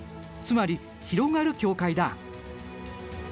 つまり広がる境界だ。